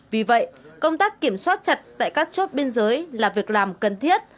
vì vậy công tác kiểm soát chặt tại các chốt biên giới là việc làm cần thiết